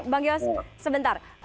bang yos sebentar